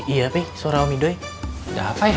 iya pi suara om idoi gak apa apa ya